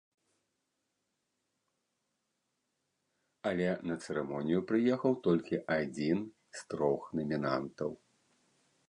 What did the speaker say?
Але на цырымонію прыехаў толькі адзін з трох намінантаў.